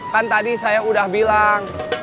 kan tadi saya udah bilang